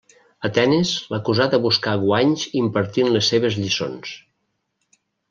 Atenes l'acusà de buscar guanys impartint les seves lliçons.